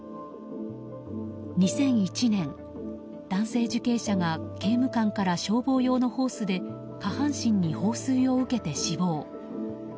２００１年、男性受刑者が刑務官から消防用のホースで下半身に放水を受けて死亡。